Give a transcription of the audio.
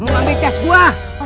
mau ambil gas gua